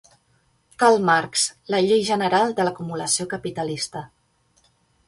Karl Marx, "La llei general de l'acumulació capitalista".